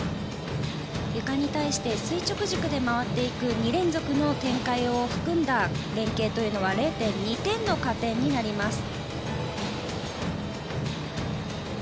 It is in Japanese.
床に対して垂直軸で回っていく２連続の転回を含んだ連係というのは０．２点の加点になります。